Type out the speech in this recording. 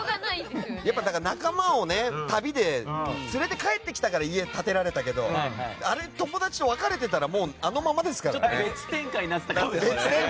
仲間を旅で連れて帰ってきたから家建てれたけどあれで友達と別れてたら別展開になってたかも。